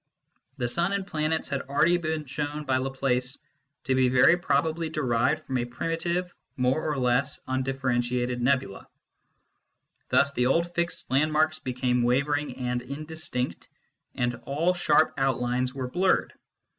The sun and the planets had already been shown by Laplace to be very probably derived from a primitive more or less undifferentiated nebula. Thus the old fixed landmarks became wavering and indistinct, and all sharp outlines were blurred.